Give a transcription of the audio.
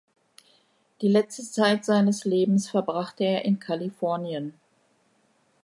Die letzte Zeit seines Lebens verbrachte er in Kalifornien.